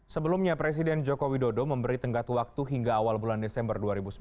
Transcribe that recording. sebelumnya presiden joko widodo memberi tenggat waktu hingga awal bulan desember dua ribu sembilan belas